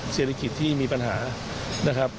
เศรษฐกิจที่มีปัญหานะครับ